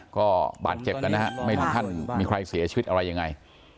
ก็บาดเจ็บกันนะฮะไม่ถึงขั้นมีใครเสียชีวิตอะไรยังไง